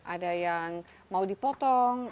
ada yang mau dipotong